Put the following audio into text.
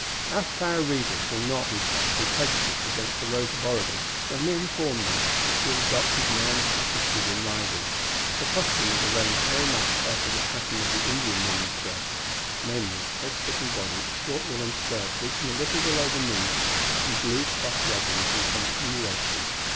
Our fair readers will not, we trust, be prejudiced against the Rose of Oregon when we inform them that she had adopted man's attitude in riding. Her costume was arranged very much after the pattern of the Indian women's dress namely, a close fitting body, a short woollen skirt reaching a little below the knees, and blue cloth leggings in continuation.